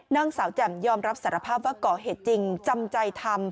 นางสาวแจ่มยอมรับสารภาพว่าก่อเหตุจริงจำใจทำ